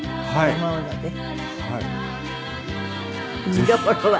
見どころは？